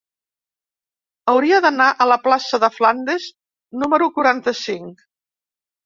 Hauria d'anar a la plaça de Flandes número quaranta-cinc.